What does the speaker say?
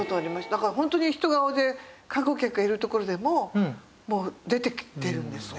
だからホントに人が大勢観光客がいる所でももう出てきてるんですね。